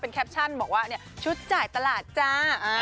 แคปชั่นบอกว่าชุดจ่ายตลาดจ้า